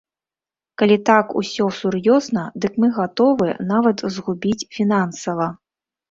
Калі так усё сур'ёзна, дык мы гатовы нават згубіць фінансава.